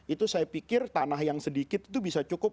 itu saya pikir tanah yang sedikit itu bisa cukup